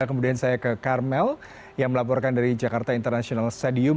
kemudian saya ke karmel yang melaporkan dari jakarta international stadium